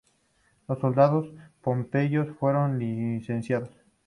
Los soldados pompeyanos fueron licenciados.